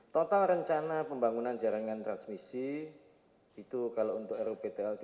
total rencana pembangunan jarangan transmisi itu kalau untuk rubtl dua ribu delapan belas